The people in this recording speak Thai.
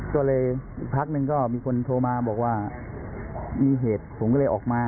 ก็เลยพักหนึ่งก็มีคนโทรมาบอกว่ามีเหตุผมก็เลยออกมา